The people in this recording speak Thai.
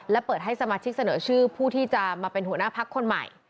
และเปิดให้สมาชิกเสนอชื่อผู้ที่จะมาเป็นหัวหน้าพักคนใหม่